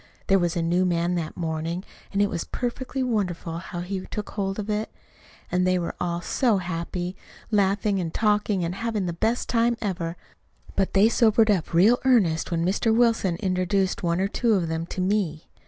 There was a new man that morning, and it was perfectly wonderful how he took hold of it. And they were all so happy, laughing and talking, and having the best time ever; but they sobered up real earnest when Mr. Wilson introduced one or two of them to me.